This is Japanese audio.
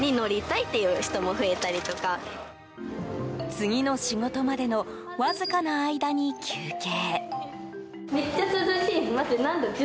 次の仕事までのわずかな間に休憩。